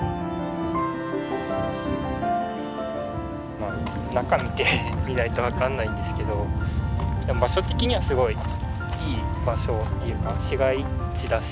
まあ中見てみないと分かんないんですけど場所的にはすごいいい場所っていうか市街地だし。